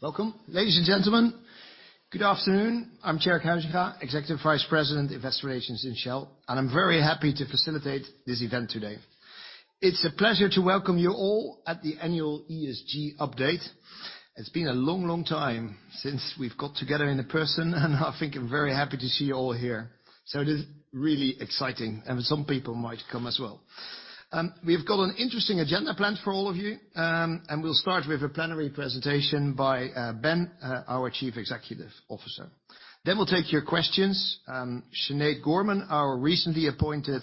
Welcome. Ladies and gentlemen, good afternoon. I'm Tjerk Huysinga, Executive Vice President, Investor Relations in Shell, and I'm very happy to facilitate this event today. It's a pleasure to welcome you all at the Annual ESG update. It's been a long, long time since we've got together in person and I think I'm very happy to see you all here. It is really exciting, and some people might come as well. We've got an interesting agenda planned for all of you. We'll start with a plenary presentation by Ben, our Chief Executive Officer. Then we'll take your questions. Sinead Gorman, our recently appointed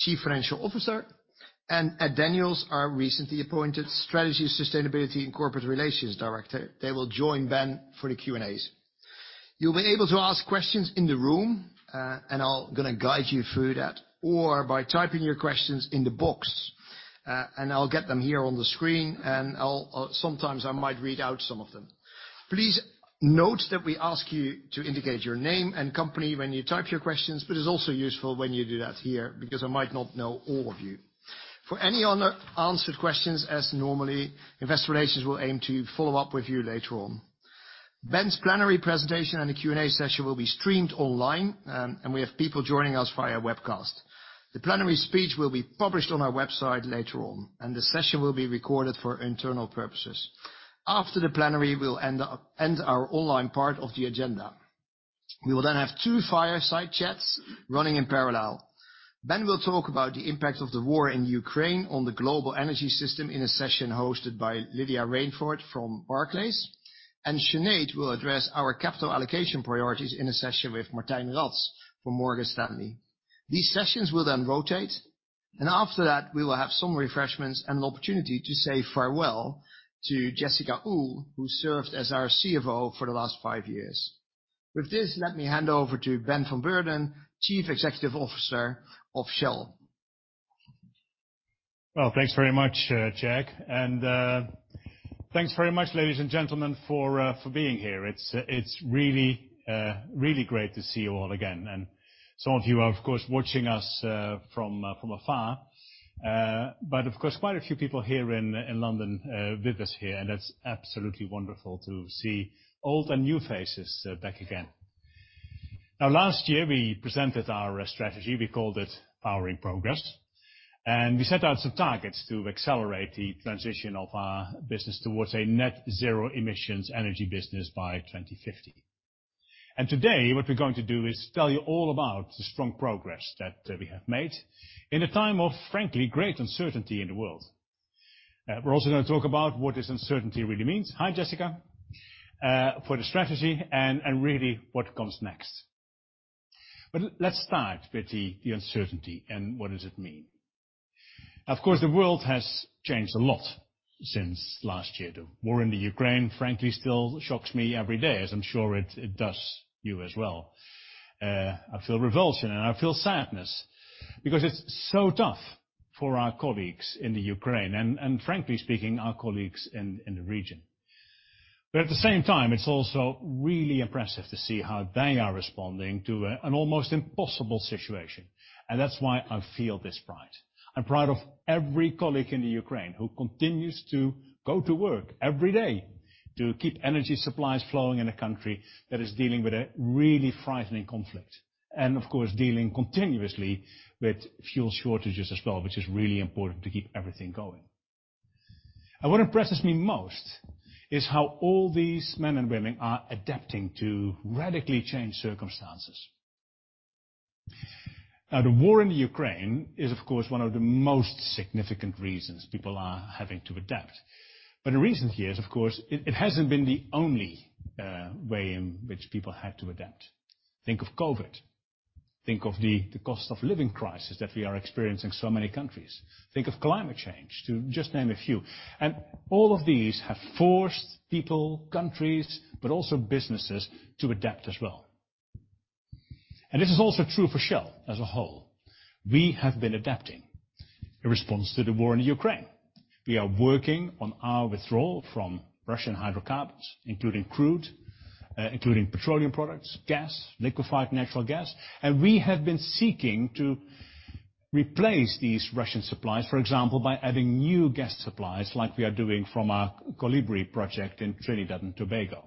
Chief Financial Officer, and Ed Daniels, our recently appointed Strategy, Sustainability, and Corporate Relations Director, they will join Ben for the Q&As. You'll be able to ask questions in the room, and I'm gonna guide you through that, or by typing your questions in the box, and I'll get them here on the screen and sometimes I might read out some of them. Please note that we ask you to indicate your name and company when you type your questions, but it's also useful when you do that here, because I might not know all of you. For any unanswered questions, normally, Investor Relations will aim to follow up with you later on. Ben's plenary presentation and the Q&A session will be streamed online, and we have people joining us via webcast. The plenary speech will be published on our website later on, and the session will be recorded for internal purposes. After the plenary, we'll end our online part of the agenda. We will then have two fireside chats running in parallel. Ben will talk about the impact of the war in Ukraine on the global energy system in a session hosted by Lydia Rainforth from Barclays. Sinead will address our capital allocation priorities in a session with Martijn Rats from Morgan Stanley. These sessions will then rotate, and after that, we will have some refreshments and an opportunity to say farewell to Jessica Uhl, who served as our CFO for the last five years. With this, let me hand over to Ben van Beurden, Chief Executive Officer of Shell. Well, thanks very much, Tjerk. Thanks very much, ladies and gentlemen, for being here. It's really great to see you all again. Some of you are, of course, watching us from afar. But of course, quite a few people here in London with us here, and it's absolutely wonderful to see old and new faces back again. Now, last year, we presented our strategy, we called it Powering Progress, and we set out some targets to accelerate the transition of our business towards a net-zero emissions energy business by 2050. Today, what we're going to do is tell you all about the strong progress that we have made in a time of, frankly, great uncertainty in the world. We're also gonna talk about what this uncertainty really means, hi, Jessica, for the strategy and really what comes next. Let's start with the uncertainty and what does it mean. Of course, the world has changed a lot since last year. The war in Ukraine, frankly, still shocks me every day, as I'm sure it does you as well. I feel revulsion and I feel sadness because it's so tough for our colleagues in Ukraine and frankly speaking, our colleagues in the region. But at the same time, it's also really impressive to see how they are responding to an almost impossible situation. That's why I feel this pride. I'm proud of every colleague in the Ukraine who continues to go to work every day to keep energy supplies flowing in a country that is dealing with a really frightening conflict, and of course, dealing continuously with fuel shortages as well, which is really important to keep everything going. What impresses me most is how all these men and women are adapting to radically changed circumstances. Now, the war in the Ukraine is, of course, one of the most significant reasons people are having to adapt. In recent years, of course, it hasn't been the only way in which people had to adapt. Think of COVID. Think of the cost of living crisis that we are experiencing in so many countries. Think of climate change, to just name a few. All of these have forced people, countries, but also businesses to adapt as well. This is also true for Shell as a whole. We have been adapting in response to the war in Ukraine. We are working on our withdrawal from Russian hydrocarbons, including crude, including petroleum products, gas, liquefied natural gas, and we have been seeking to replace these Russian supplies, for example, by adding new gas supplies like we are doing from our Colibri project in Trinidad and Tobago.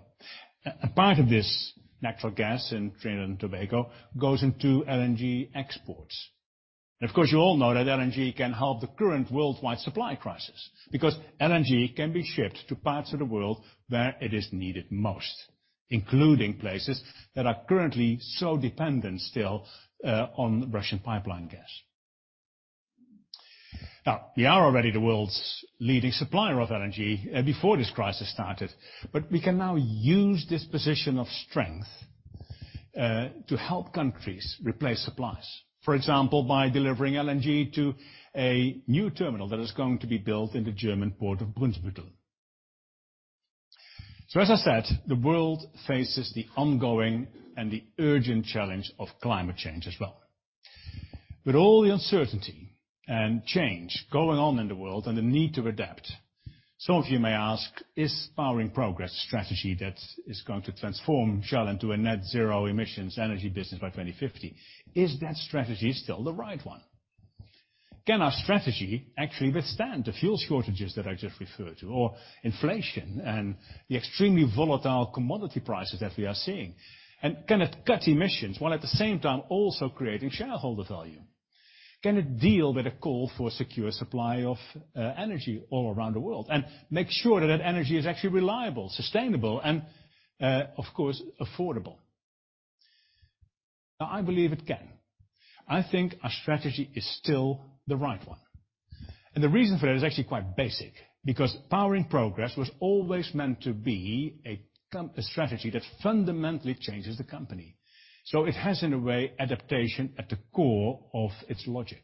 A part of this natural gas in Trinidad and Tobago goes into LNG exports. Of course, you all know that LNG can help the current worldwide supply crisis because LNG can be shipped to parts of the world where it is needed most, including places that are currently so dependent still, on Russian pipeline gas. Now, we are already the world's leading supplier of LNG before this crisis started, but we can now use this position of strength to help countries replace supplies, for example, by delivering LNG to a new terminal that is going to be built in the German port of Brunsbüttel. As I said, the world faces the ongoing and the urgent challenge of climate change as well. With all the uncertainty and change going on in the world and the need to adapt. Some of you may ask, is Powering Progress strategy that is going to transform Shell into a net zero emissions energy business by 2050, is that strategy still the right one? Can our strategy actually withstand the fuel shortages that I just referred to, or inflation and the extremely volatile commodity prices that we are seeing? Can it cut emissions while at the same time also creating shareholder value? Can it deal with a call for secure supply of energy all around the world and make sure that that energy is actually reliable, sustainable and, of course, affordable? Now, I believe it can. I think our strategy is still the right one. The reason for that is actually quite basic, because Powering Progress was always meant to be a strategy that fundamentally changes the company. So it has, in a way, adaptation at the core of its logic.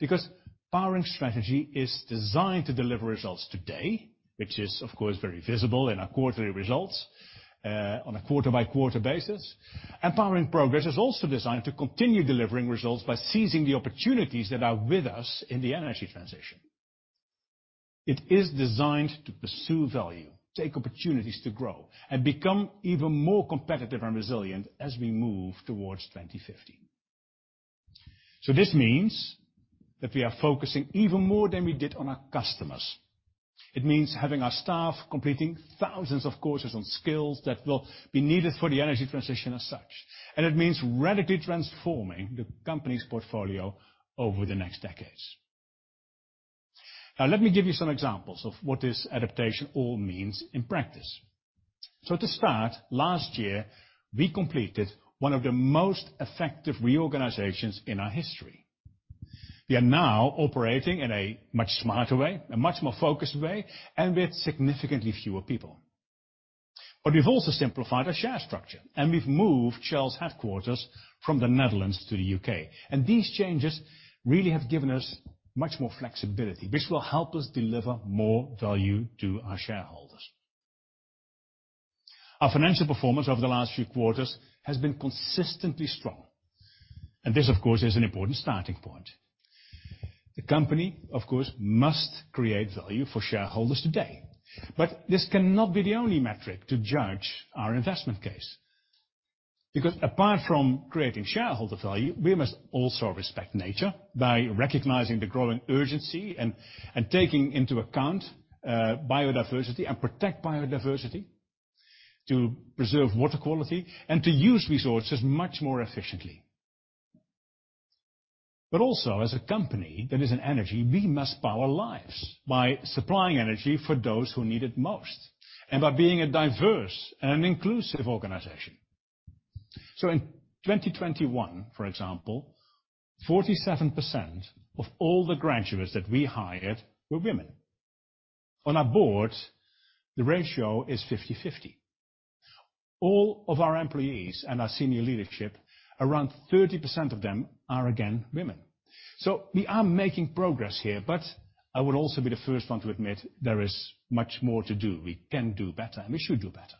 Because Powering Progress is designed to deliver results today, which is, of course, very visible in our quarterly results on a quarter-by-quarter basis. Powering Progress is also designed to continue delivering results by seizing the opportunities that are with us in the energy transition. It is designed to pursue value, take opportunities to grow and become even more competitive and resilient as we move towards 2050. This means that we are focusing even more than we did on our customers. It means having our staff completing thousands of courses on skills that will be needed for the energy transition as such. It means radically transforming the company's portfolio over the next decades. Now, let me give you some examples of what this adaptation all means in practice. To start, last year, we completed one of the most effective reorganizations in our history. We are now operating in a much smarter way, a much more focused way, and with significantly fewer people. We've also simplified our share structure, and we've moved Shell's headquarters from the Netherlands to the U.K. These changes really have given us much more flexibility, which will help us deliver more value to our shareholders. Our financial performance over the last few quarters has been consistently strong. This, of course, is an important starting point. The company, of course, must create value for shareholders today. This cannot be the only metric to judge our investment case. Because apart from creating shareholder value, we must also respect nature by recognizing the growing urgency and taking into account, biodiversity and protect biodiversity, to preserve water quality, and to use resources much more efficiently. Also, as a company that is in energy, we must power lives by supplying energy for those who need it most, and by being a diverse and an inclusive organization. In 2021, for example, 47% of all the graduates that we hired were women. On our board, the ratio is 50/50. All of our employees and our senior leadership, around 30% of them are again women. We are making progress here, but I would also be the first one to admit there is much more to do. We can do better, and we should do better.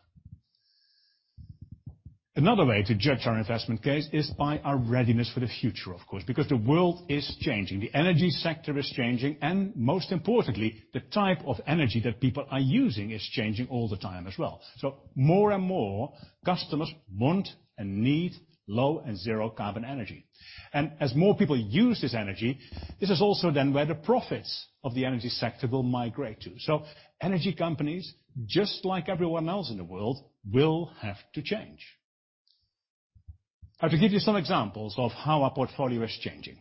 Another way to judge our investment case is by our readiness for the future, of course, because the world is changing, the energy sector is changing, and most importantly, the type of energy that people are using is changing all the time as well. More and more customers want and need low and zero carbon energy. As more people use this energy, this is also then where the profits of the energy sector will migrate to. Energy companies, just like everyone else in the world, will have to change. Now, to give you some examples of how our portfolio is changing.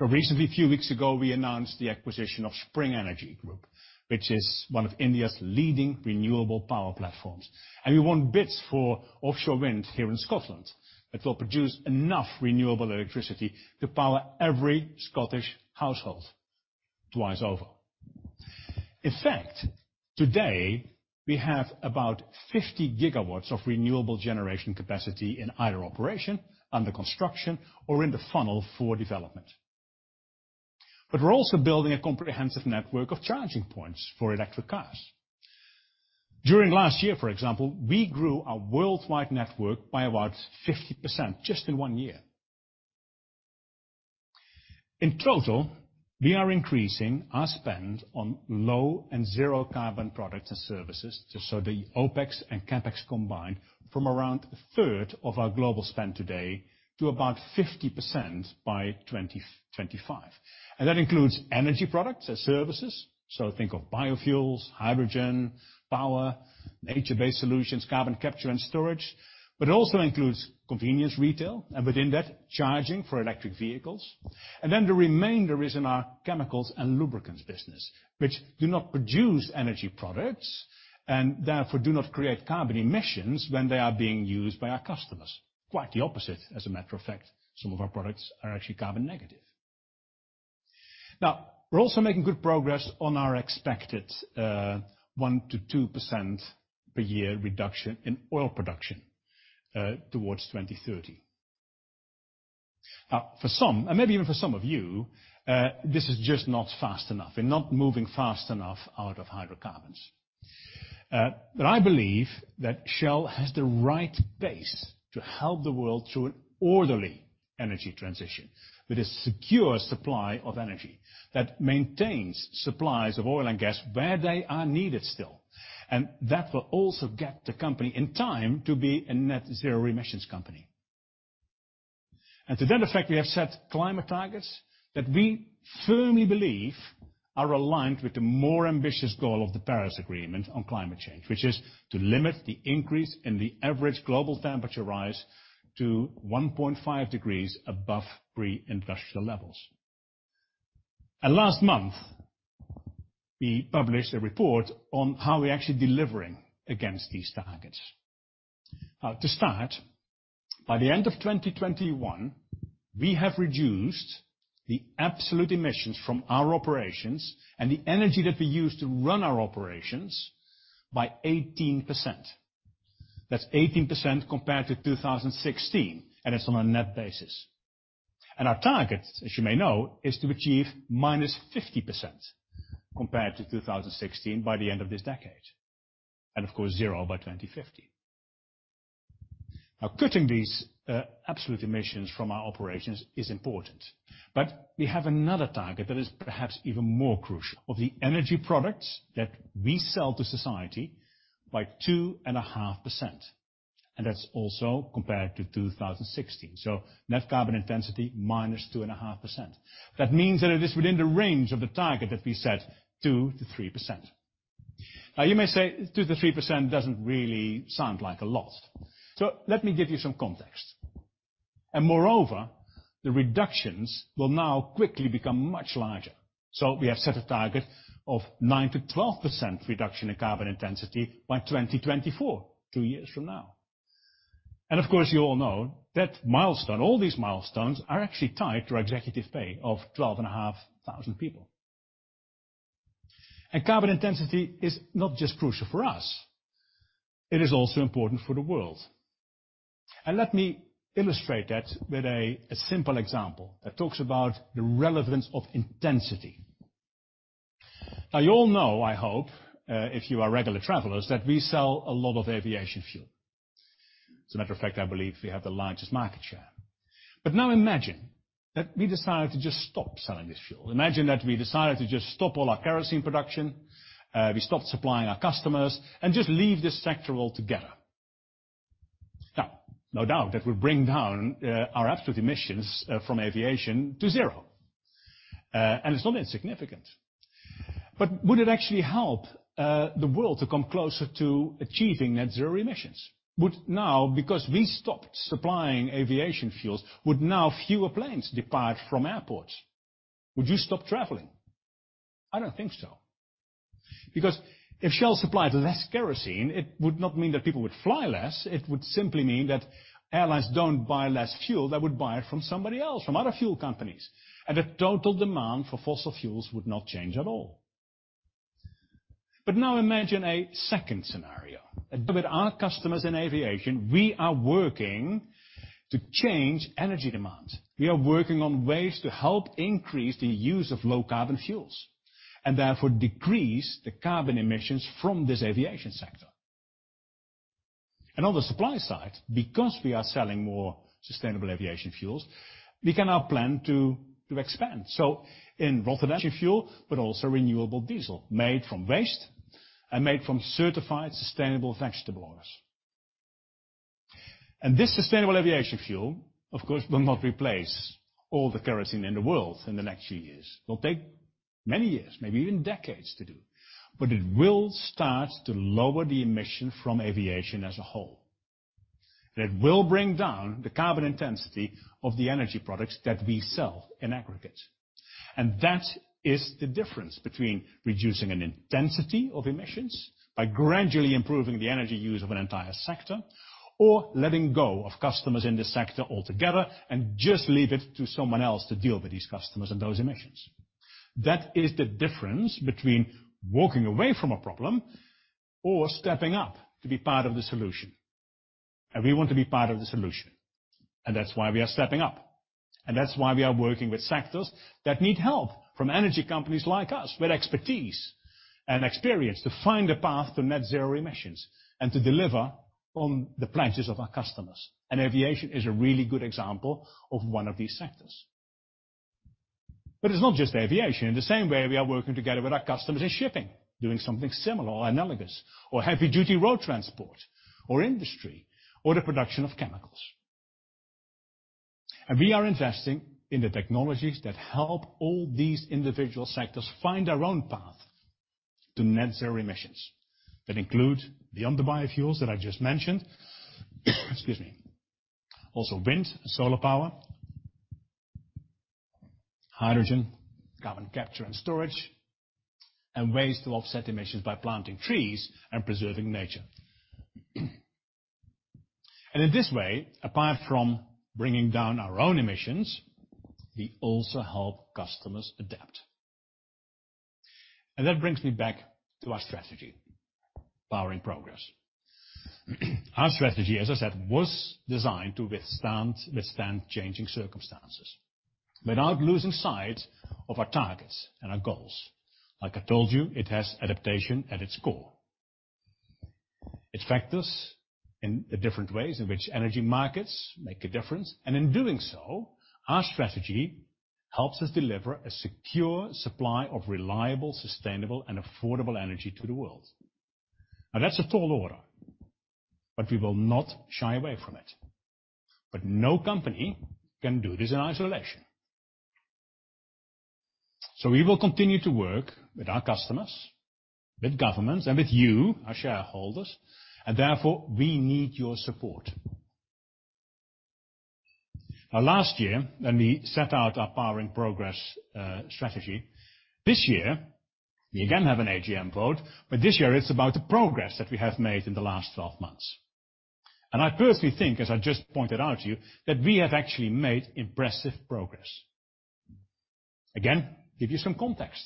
Recently, a few weeks ago, we announced the acquisition of Sprng Energy group, which is one of India's leading renewable power platforms. We won bids for offshore wind here in Scotland that will produce enough renewable electricity to power every Scottish household twice over. In fact, today, we have about 50 GW of renewable generation capacity in either operation, under construction, or in the funnel for development. We're also building a comprehensive network of charging points for electric cars. During last year, for example, we grew our worldwide network by about 50% just in one year. In total, we are increasing our spend on low and zero carbon products and services, so the OpEx and CapEx combined, from around a third of our global spend today to about 50% by 2025. That includes energy products and services. Think of biofuels, hydrogen, power, nature-based solutions, carbon capture, and storage. It also includes convenience retail, and within that, charging for electric vehicles. Then the remainder is in our chemicals and lubricants business, which do not produce energy products, and therefore do not create carbon emissions when they are being used by our customers. Quite the opposite, as a matter of fact. Some of our products are actually carbon negative. Now, we're also making good progress on our expected 1%-2% per year reduction in oil production towards 2030. Now, for some, and maybe even for some of you, this is just not fast enough. We're not moving fast enough out of hydrocarbons. I believe that Shell has the right base to help the world through an orderly energy transition with a secure supply of energy that maintains supplies of oil and gas where they are needed still. That will also get the company in time to be a net zero emissions company. To that effect, we have set climate targets that we firmly believe are aligned with the more ambitious goal of the Paris Agreement on climate change, which is to limit the increase in the average global temperature rise to 1.5 degrees above pre-industrial levels. Last month, we published a report on how we're actually delivering against these targets. To start, by the end of 2021, we have reduced the absolute emissions from our operations and the energy that we use to run our operations by 18%. That's 18% compared to 2016, and it's on a net basis. Our target, as you may know, is to achieve -50% compared to 2016 by the end of this decade, and of course, zero by 2050. Now, cutting these absolute emissions from our operations is important. We have another target that is perhaps even more crucial. Of the energy products that we sell to society by 2.5%, and that's also compared to 2016. Net carbon intensity -2.5%. That means that it is within the range of the target that we set 2%-3%. Now you may say 2%-3% doesn't really sound like a lot. Let me give you some context. Moreover, the reductions will now quickly become much larger. We have set a target of 9%-12% reduction in carbon intensity by 2024, two years from now. Of course, you all know that milestone, all these milestones are actually tied to executive pay of 12,500 people. Carbon intensity is not just crucial for us, it is also important for the world. Let me illustrate that with a simple example that talks about the relevance of intensity. Now you all know, I hope, if you are regular travelers that we sell a lot of aviation fuel. As a matter of fact, I believe we have the largest market share. Now imagine that we decided to just stop selling this fuel. Imagine that we decided to just stop all our kerosene production, we stopped supplying our customers and just leave this sector altogether. Now, no doubt that would bring down our absolute emissions from aviation to zero. It's not insignificant. Would it actually help the world to come closer to achieving net zero emissions? Would now, because we stopped supplying aviation fuels, would now fewer planes depart from airports? Would you stop traveling? I don't think so. Because if Shell supplied less kerosene, it would not mean that people would fly less, it would simply mean that airlines don't buy less fuel, they would buy it from somebody else, from other fuel companies. The total demand for fossil fuels would not change at all. Now imagine a second scenario with our customers in aviation. We are working to change energy demand. We are working on ways to help increase the use of low-carbon fuels, and therefore decrease the carbon emissions from this aviation sector. On the supply side, because we are selling more sustainable aviation fuels, we can now plan to expand. In Rotterdam's energy fuel, but also renewable diesel made from waste and made from certified sustainable vegetable oils. This sustainable aviation fuel, of course, will not replace all the kerosene in the world in the next few years. It'll take many years, maybe even decades to do. It will start to lower the emission from aviation as a whole. It will bring down the carbon intensity of the energy products that we sell in aggregate. That is the difference between reducing an intensity of emissions by gradually improving the energy use of an entire sector or letting go of customers in this sector altogether and just leave it to someone else to deal with these customers and those emissions. That is the difference between walking away from a problem or stepping up to be part of the solution. We want to be part of the solution. That's why we are stepping up. That's why we are working with sectors that need help from energy companies like us with expertise and experience to find a path to net-zero emissions and to deliver on the pledges of our customers. Aviation is a really good example of one of these sectors. It's not just aviation. In the same way, we are working together with our customers in shipping, doing something similar or analogous or heavy-duty road transport or industry or the production of chemicals. We are investing in the technologies that help all these individual sectors find their own path to net zero emissions. That include beyond the biofuels that I just mentioned. Also wind, solar power, hydrogen, carbon capture, and storage, and ways to offset emissions by planting trees and preserving nature. In this way, apart from bringing down our own emissions, we also help customers adapt. That brings me back to our strategy, Powering Progress. Our strategy, as I said, was designed to withstand changing circumstances without losing sight of our targets and our goals. Like I told you, it has adaptation at its core. It factors in the different ways in which energy markets make a difference. In doing so, our strategy helps us deliver a secure supply of reliable, sustainable, and affordable energy to the world. Now, that's a tall order, but we will not shy away from it. No company can do this in isolation. We will continue to work with our customers, with governments, and with you, our shareholders, and therefore we need your support. Now last year when we set out our Powering Progress strategy, this year we again have an AGM vote, but this year it's about the progress that we have made in the last 12 months. I personally think, as I just pointed out to you, that we have actually made impressive progress. Again, give you some context.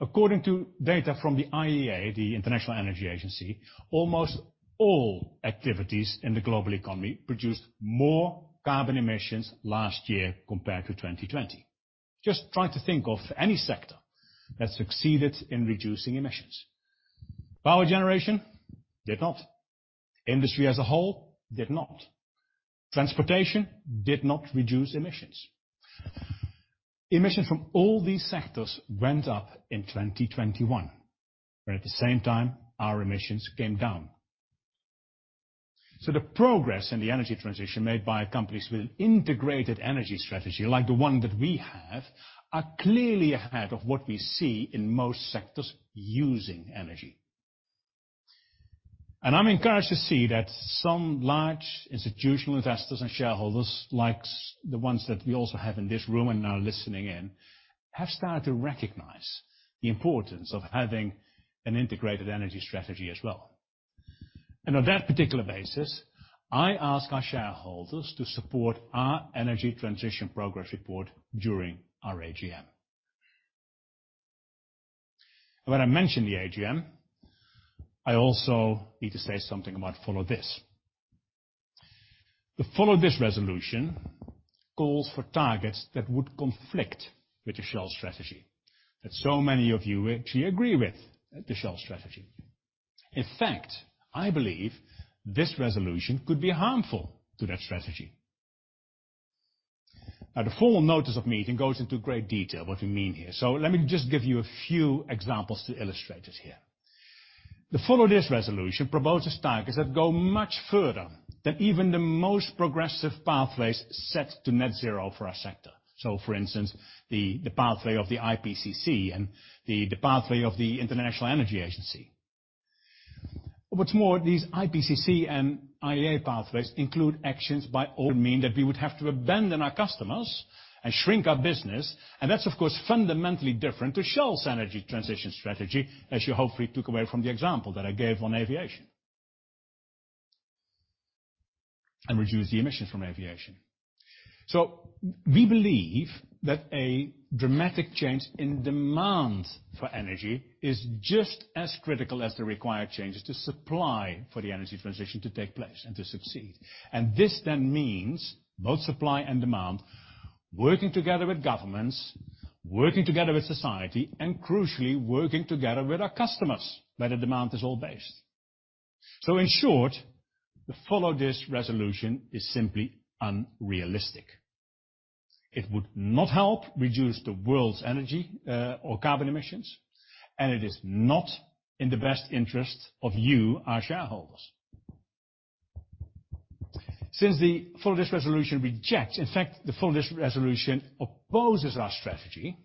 According to data from the IEA, the International Energy Agency, almost all activities in the global economy produced more carbon emissions last year compared to 2020. Just try to think of any sector that succeeded in reducing emissions. Power generation did not. Industry as a whole did not. Transportation did not reduce emissions. Emissions from all these sectors went up in 2021, but at the same time, our emissions came down. The progress in the energy transition made by companies with an integrated energy strategy, like the one that we have, are clearly ahead of what we see in most sectors using energy. I'm encouraged to see that some large institutional investors and shareholders, like the ones that we also have in this room and are listening in, have started to recognize the importance of having an integrated energy strategy as well. On that particular basis, I ask our shareholders to support our Energy Transition Progress Report during our AGM. When I mention the AGM, I also need to say something about Follow This. The Follow This resolution calls for targets that would conflict with the Shell strategy that so many of you actually agree with the Shell strategy. In fact, I believe this resolution could be harmful to that strategy. Now, the formal notice of meeting goes into great detail what we mean here. Let me just give you a few examples to illustrate it here. The Follow This resolution proposes targets that go much further than even the most progressive pathways set to net zero for our sector. For instance, the pathway of the IPCC and the pathway of the International Energy Agency. What's more, these IPCC and IEA pathways include actions that would mean that we would have to abandon our customers and shrink our business. That's, of course, fundamentally different to Shell's energy transition strategy, as you hopefully took away from the example that I gave on aviation. Reduce the emissions from aviation. We believe that a dramatic change in demand for energy is just as critical as the required changes to supply for the energy transition to take place and to succeed. This then means both supply and demand, working together with governments, working together with society, and crucially, working together with our customers, where the demand is all based. In short, the Follow This resolution is simply unrealistic. It would not help reduce the world's energy, or carbon emissions, and it is not in the best interest of you, our shareholders. In fact, the Follow This resolution opposes our strategy.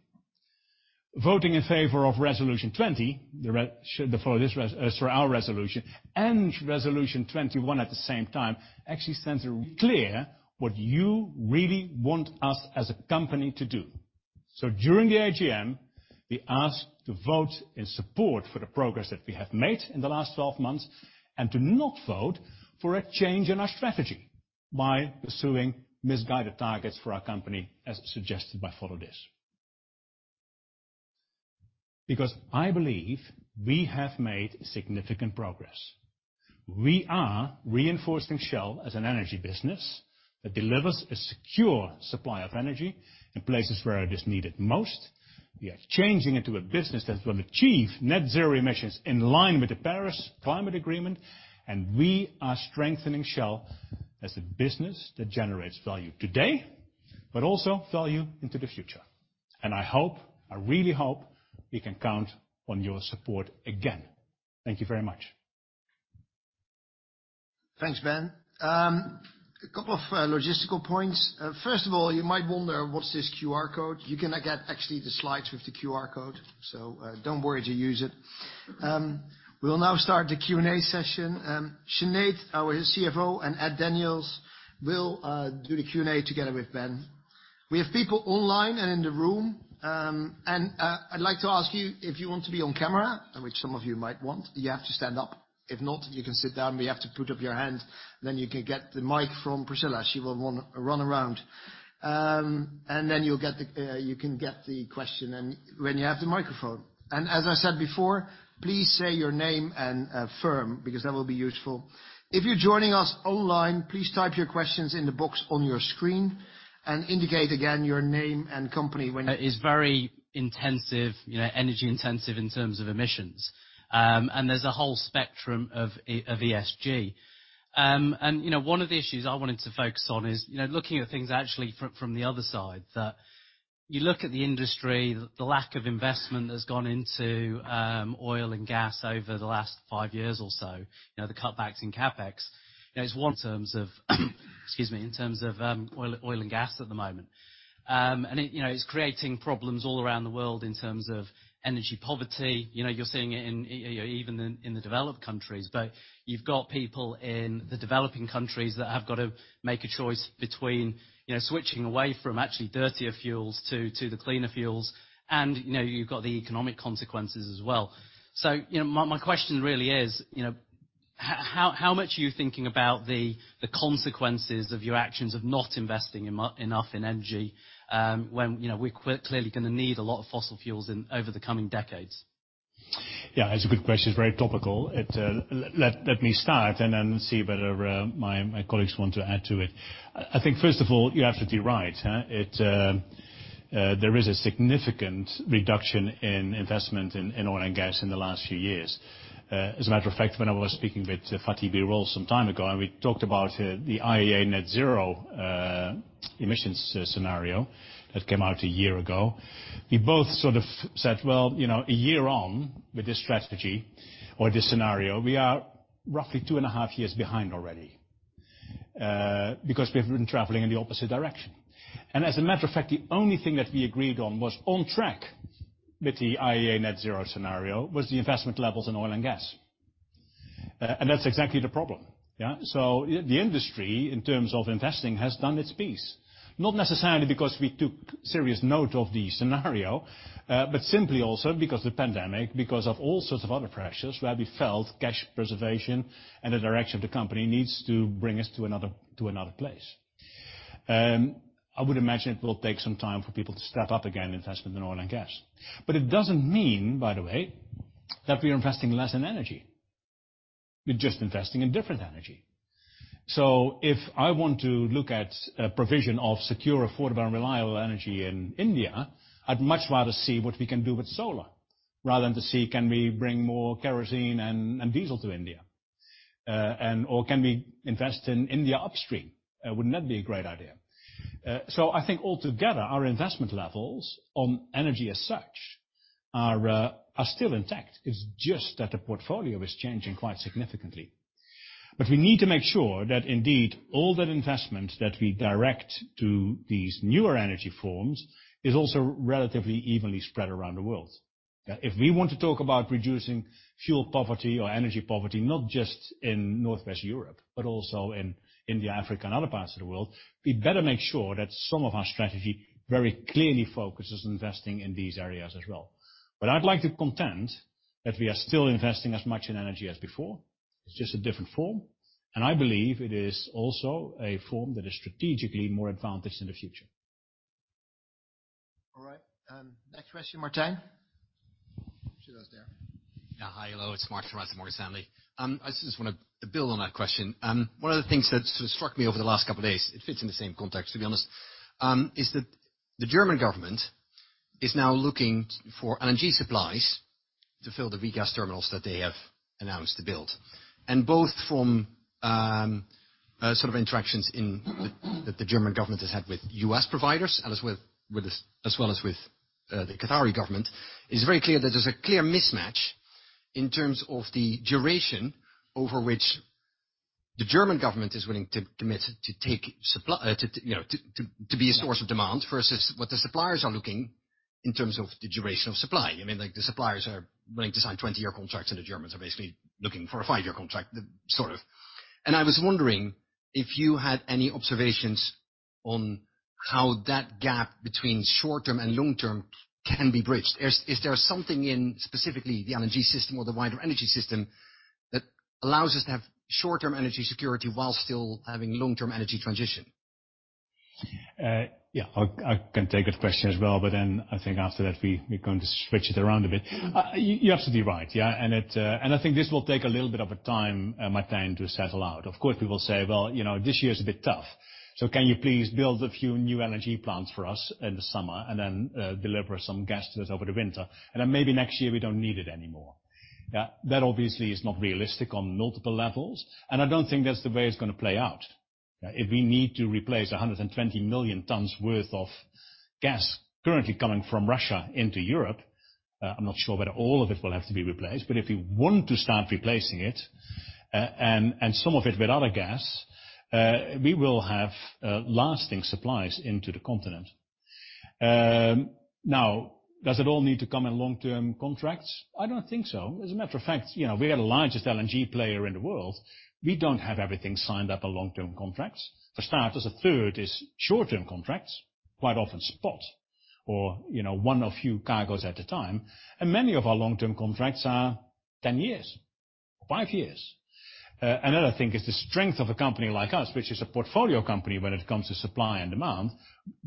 Voting in favor of Resolution 20, the Follow This resolution, and Resolution 21 at the same time, actually sends a clear what you really want us as a company to do. During the AGM, we ask to vote in support for the progress that we have made in the last 12 months, and to not vote for a change in our strategy by pursuing misguided targets for our company, as suggested by Follow This. Because I believe we have made significant progress. We are reinforcing Shell as an energy business that delivers a secure supply of energy in places where it is needed most. We are changing into a business that will achieve net zero emissions in line with the Paris Agreement, and we are strengthening Shell as a business that generates value today, but also value into the future. I hope, I really hope we can count on your support again. Thank you very much. Thanks, Ben. A couple of logistical points. First of all, you might wonder, what's this QR code? You cannot get actually the slides with the QR code. So, don't worry to use it. We will now start the Q&A session. Sinead, our CFO, and Ed Daniels will do the Q&A together with Ben. We have people online and in the room. I'd like to ask you if you want to be on camera, which some of you might want, you have to stand up. If not, you can sit down, but you have to put up your hand. Then you can get the mic from Priscilla. She will run around. Then you can get the question and when you have the microphone. As I said before, please say your name and firm because that will be useful. If you're joining us online, please type your questions in the box on your screen and indicate again your name and company when It's very intensive, you know, energy intensive in terms of emissions. There's a whole spectrum of ESG. You know, one of the issues I wanted to focus on is looking at things actually from the other side, that you look at the industry, the lack of investment that's gone into oil and gas over the last five years or so, you know, the cutbacks in CapEx. You know, it's in terms of oil and gas at the moment. You know, it's creating problems all around the world in terms of energy poverty. You know, you're seeing it in even in the developed countries, but you've got people in the developing countries that have got to make a choice between, you know, switching away from actually dirtier fuels to the cleaner fuels. You know, you've got the economic consequences as well. You know, my question really is, you know, how much are you thinking about the consequences of your actions of not investing enough in energy, when, you know, we're clearly gonna need a lot of fossil fuels in over the coming decades? Yeah, it's a good question. It's very topical. Let me start and then see whether my colleagues want to add to it. I think, first of all, you're absolutely right, huh? There is a significant reduction in investment in oil and gas in the last few years. As a matter of fact, when I was speaking with Fatih Birol some time ago, and we talked about the IEA net zero emissions scenario that came out a year ago, we both sort of said, "Well, you know, a year on with this strategy or this scenario, we are roughly 2.5 years behind already, because we've been traveling in the opposite direction." As a matter of fact, the only thing that we agreed on was on track with the IEA net zero scenario was the investment levels in oil and gas. That's exactly the problem. The industry, in terms of investing, has done its piece, not necessarily because we took serious note of the scenario, but simply also because of pandemic, because of all sorts of other pressures where we felt cash preservation and the direction of the company needs to bring us to another place. I would imagine it will take some time for people to step up again investment in oil and gas. It doesn't mean, by the way, that we are investing less in energy. We're just investing in different energy. If I want to look at a provision of secure, affordable, and reliable energy in India, I'd much rather see what we can do with solar rather than to see, can we bring more kerosene and diesel to India or can we invest in India upstream? Wouldn't that be a great idea? I think all together, our investment levels on energy as such are still intact. It's just that the portfolio is changing quite significantly. We need to make sure that indeed all that investment that we direct to these newer energy forms is also relatively evenly spread around the world. If we want to talk about reducing fuel poverty or energy poverty, not just in Northwest Europe but also in India, Africa, and other parts of the world, we better make sure that some of our strategy very clearly focuses on investing in these areas as well. I'd like to contend that we are still investing as much in energy as before. It's just a different form, and I believe it is also a form that is strategically more advantaged in the future. All right. Next question, Martin. He goes there. Yeah. Hi. Hello. It's Martijn from Morgan Stanley. I just wanna build on that question. One of the things that sort of struck me over the last couple of days, it fits in the same context, to be honest, is that the German government is now looking for LNG supplies to fill the regas terminals that they have announced to build. Both from sort of interactions that the German government has had with U.S. providers, as well as with the Qatari government, it's very clear that there's a clear mismatch in terms of the duration over which the German government is willing to commit to take supply, to you know, to be a source of demand versus what the suppliers are looking in terms of the duration of supply. I mean, like, the suppliers are willing to sign 20-year contracts, and the Germans are basically looking for a five year contract, sort of. I was wondering if you had any observations on how that gap between short-term and long-term can be bridged. Is there something in specifically the LNG system or the wider energy system that allows us to have short-term energy security while still having long-term energy transition? Yeah, I can take that question as well, but then I think after that, we're going to switch it around a bit. You're absolutely right. Yeah. I think this will take a little bit of a time, Martijn, to settle out. Of course, people say, "Well, you know, this year is a bit tough, so can you please build a few new energy plants for us in the summer and then deliver some gas to us over the winter? And then maybe next year we don't need it anymore." That obviously is not realistic on multiple levels, and I don't think that's the way it's gonna play out. If we need to replace 120 million tons worth of gas currently coming from Russia into Europe, I'm not sure whether all of it will have to be replaced, but if we want to start replacing it, and some of it with other gas, we will have lasting supplies into the continent. Now does it all need to come in long-term contracts? I don't think so. As a matter of fact, you know, we got the largest LNG player in the world, we don't have everything signed up for long-term contracts. For starters, a third is short-term contracts, quite often spot or, you know, one or a few cargoes at a time. Many of our long-term contracts are 10 years, five years. Another thing is the strength of a company like us, which is a portfolio company when it comes to supply and demand,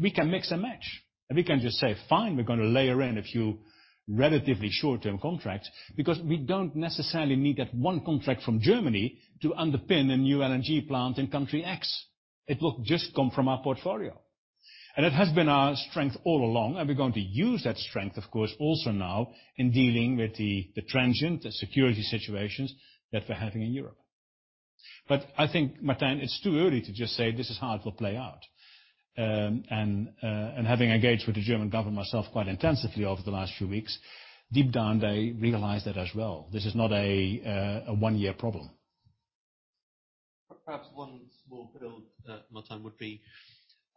we can mix and match. We can just say, "Fine, we're gonna layer in a few relatively short-term contracts," because we don't necessarily need that one contract from Germany to underpin a new LNG plant in country X. It will just come from our portfolio. It has been our strength all along, and we're going to use that strength, of course, also now in dealing with the transient, the security situations that we're having in Europe. I think, Martijn, it's too early to just say, this is how it will play out. Having engaged with the German government myself quite intensively over the last few weeks, deep down, they realize that as well. This is not a one-year problem. Perhaps one small point, Martijn, would be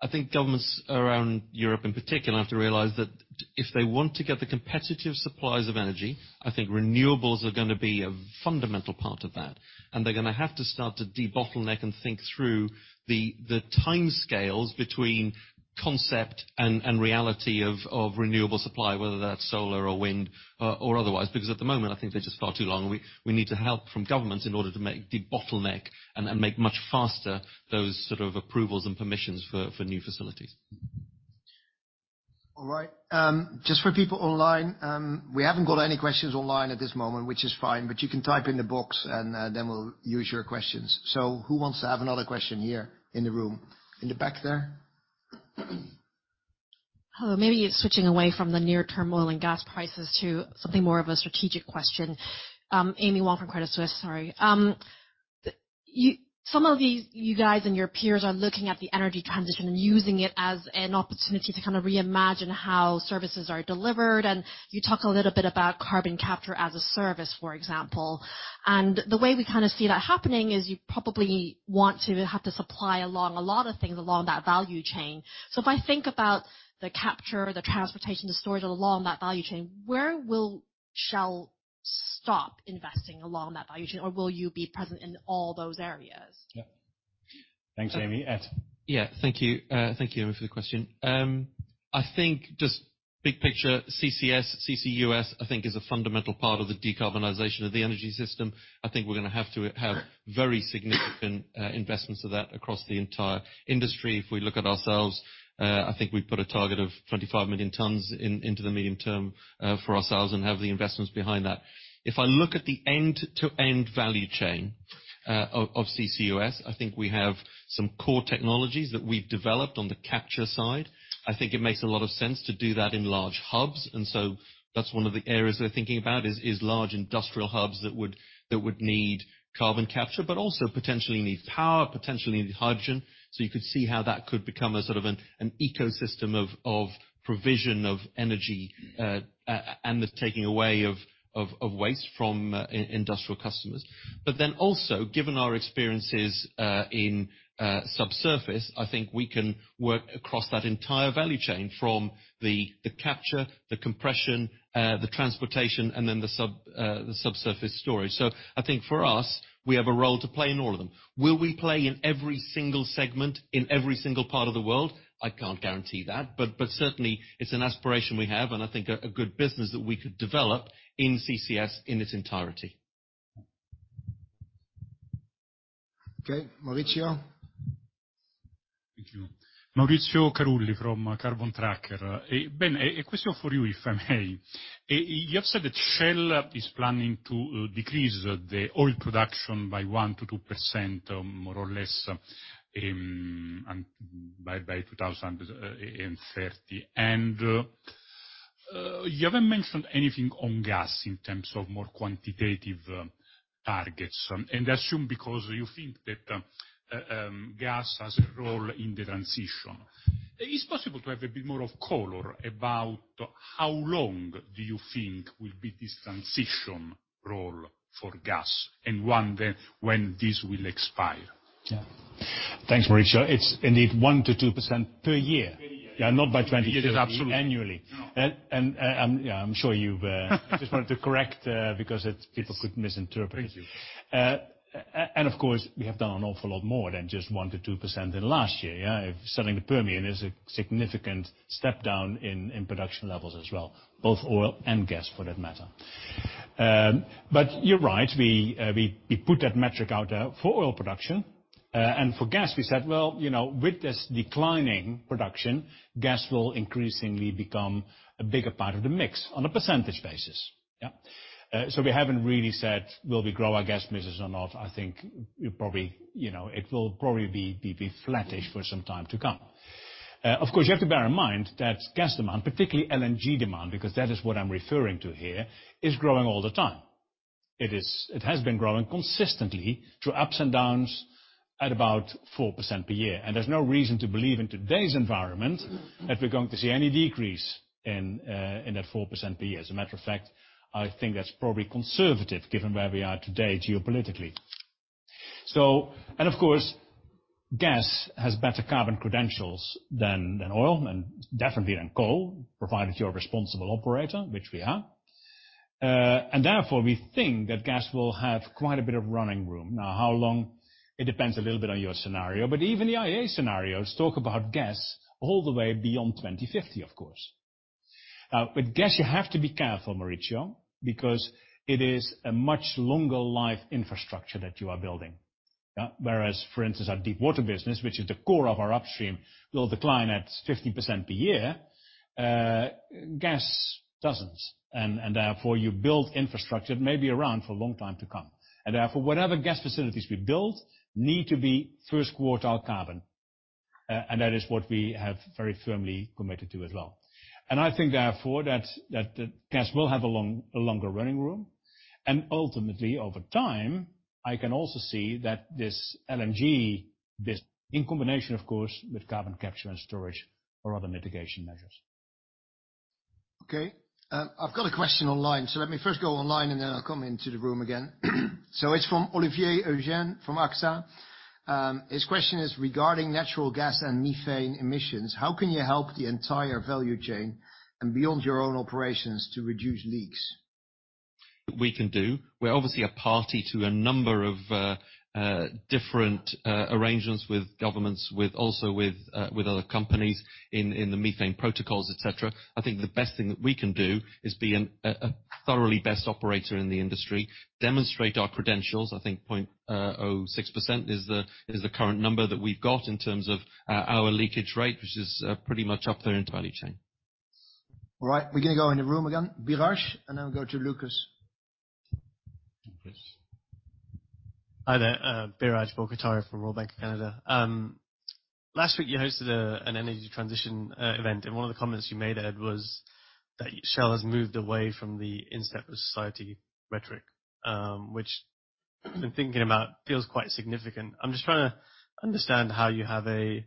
I think governments around Europe in particular have to realize that if they want to get the competitive supplies of energy, I think renewables are gonna be a fundamental part of that. They're gonna have to start to debottleneck and think through the timescales between concept and reality of renewable supply, whether that's solar or wind or otherwise, because at the moment, I think they're just far too long. We need help from governments in order to debottleneck and make much faster those sort of approvals and permissions for new facilities. All right. Just for people online, we haven't got any questions online at this moment, which is fine, but you can type in the box and, then we'll use your questions. Who wants to have another question here in the room? In the back there. Hello. Maybe switching away from the near-term oil and gas prices to something more of a strategic question. Amy Wong from Credit Suisse. Sorry. Some of you guys and your peers are looking at the energy transition and using it as an opportunity to kind of reimagine how services are delivered, and you talk a little bit about carbon capture as a service, for example. The way we kinda see that happening is you probably want to have the supply along a lot of things along that value chain. If I think about the capture, the transportation, the storage along that value chain, where will Shell stop investing along that value chain? Or will you be present in all those areas? Yeah. Thanks, Amy. Ed. Yeah. Thank you. Thank you, Amy, for the question. I think just big picture, CCS, CCUS, I think is a fundamental part of the decarbonization of the energy system. I think we're gonna have to have very significant investments of that across the entire industry. If we look at ourselves, I think we put a target of 25 million tons in, into the medium term, for ourselves and have the investments behind that. If I look at the end-to-end value chain of CCUS, I think we have some core technologies that we've developed on the capture side. I think it makes a lot of sense to do that in large hubs. That's one of the areas we're thinking about is large industrial hubs that would need carbon capture, but also potentially need power, potentially need hydrogen. You could see how that could become a sort of an ecosystem of provision of energy and the taking away of waste from industrial customers. Also, given our experiences in subsurface, I think we can work across that entire value chain from the capture, the compression, the transportation, and then the subsurface storage. I think for us, we have a role to play in all of them. Will we play in every single segment in every single part of the world? I can't guarantee that, but certainly it's an aspiration we have, and I think a good business that we could develop in CCS in its entirety. Okay. Maurizio. Thank you. Maurizio Carulli from Carbon Tracker. Ben, a question for you, if I may. You have said that Shell is planning to decrease the oil production by 1%-2% more or less, and by 2030. You haven't mentioned anything on gas in terms of more quantitative targets, and I assume because you think that gas has a role in the transition. It's possible to have a bit more of color about how long do you think will be this transition role for gas and when this will expire? Yeah. Thanks, Maurizio. It's indeed 1%-2% per year. Per year. Yeah, not by 2022. Yes, absolutely. Annually. No. I'm sure you've just wanted to correct. Yes. Because it's people could misinterpret. Thank you. Of course, we have done an awful lot more than just 1%-2% in the last year, yeah. Selling the Permian is a significant step down in production levels as well, both oil and gas for that matter. You're right. We put that metric out there for oil production. For gas, we said, "Well, you know, with this declining production, gas will increasingly become a bigger part of the mix on a percentage basis." Yeah. We haven't really said will we grow our gas business or not. I think we probably, you know, it will probably be flattish for some time to come. Of course, you have to bear in mind that gas demand, particularly LNG demand, because that is what I'm referring to here, is growing all the time. It is. It has been growing consistently through ups and downs at about 4% per year. There's no reason to believe in today's environment that we're going to see any decrease in that 4% per year. As a matter of fact, I think that's probably conservative given where we are today geopolitically. Of course, gas has better carbon credentials than oil and definitely than coal, provided you're a responsible operator, which we are. Therefore, we think that gas will have quite a bit of running room. Now, how long? It depends a little bit on your scenario, but even the IEA scenarios talk about gas all the way beyond 2050, of course. Now, with gas, you have to be careful, Maurizio, because it is a much longer life infrastructure that you are building. Yeah. Whereas for instance, our deep water business, which is the core of our upstream, will decline at 50% per year. Gas doesn't. Therefore you build infrastructure that may be around for a long time to come. Therefore, whatever gas facilities we build need to be first quartile carbon. That is what we have very firmly committed to as well. I think therefore that gas will have a longer running room. Ultimately, over time, I can also see that this LNG business in combination, of course, with carbon capture and storage or other mitigation measures. Okay. I've got a question online, so let me first go online, and then I'll come into the room again. It's from Olivier Eugène from AXA. His question is regarding natural gas and methane emissions. How can you help the entire value chain and beyond your own operations to reduce leaks? We can do. We're obviously a party to a number of different arrangements with governments, also with other companies in the methane protocols, et cetera. I think the best thing that we can do is be a thoroughly best operator in the industry, demonstrate our credentials. I think 0.06% is the current number that we've got in terms of our leakage rate, which is pretty much up there in the value chain. All right. We're gonna go in the room again. Biraj, and then we'll go to Lucas. Lucas. Hi there. Biraj Borkhataria from Royal Bank of Canada. Last week you hosted an energy transition event, and one of the comments you made, Ed, was that Shell has moved away from the in step with society rhetoric, which in thinking about feels quite significant. I'm just trying to understand how you have a